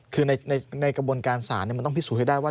คือในกระบวนการศาลมันต้องพิสูจนให้ได้ว่า